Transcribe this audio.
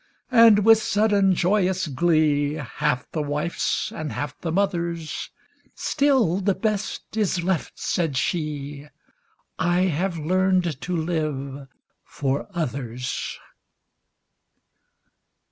And with sudden, joyous glee, Half the wife's and half the mother's, "Still the best is left," said she: "I have learned to live for others."